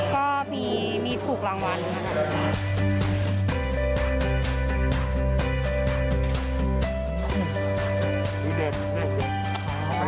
ก็มีทุกข์รางวัล